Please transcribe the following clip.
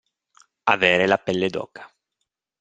Avere la pelle d'oca.